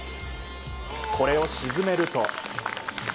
これを沈めると。